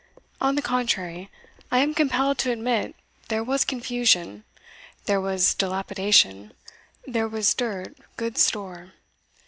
On the contrary, I am compelled to admit, there was confusion, there was dilapidation, there was dirt good store.